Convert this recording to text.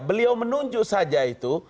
beliau menunjuk saja itu